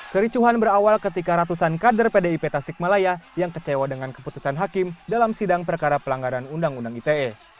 kericuhan berawal ketika ratusan kader pdip tasikmalaya yang kecewa dengan keputusan hakim dalam sidang perkara pelanggaran undang undang ite